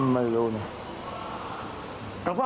เมื่อยครับเมื่อยครับ